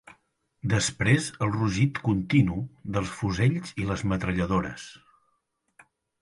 Després el rugit continu dels fusells i les metralladores